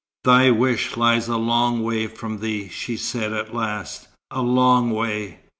"Thy wish lies a long way from thee," she said at last. "A long way!